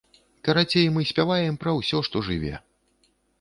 Карацей, мы спяваем пра ўсё, што жыве.